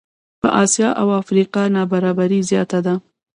په آسیا او افریقا نابرابري زیاته ده.